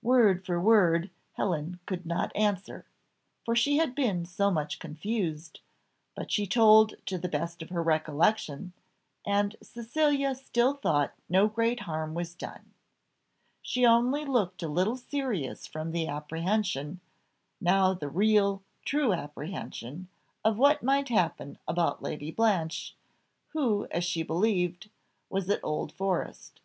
Word for word Helen could not answer, for she had been so much confused, but she told to the best of her recollection; and Cecilia still thought no great harm was done. She only looked a little serious from the apprehension, now the real, true apprehension, of what might happen about Lady Blanche, who, as she believed, was at Old Forest.